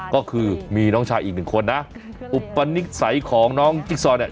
ก็คือมีน้องชายอีกหนึ่งคนนะอุปนิสัยของน้องจิ๊กซอเนี่ย